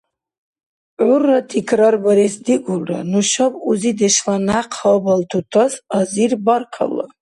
ГӀурра тикрарбарес дигулра: нушаб узидешла някъ гьабалтутас азир баркалла.